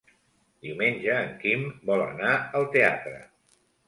Diumenge en Quim vol anar al teatre.